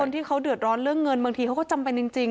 ที่เขาเดือดร้อนเรื่องเงินบางทีเขาก็จำเป็นจริง